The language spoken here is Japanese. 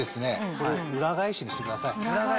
これを裏返しにしてください。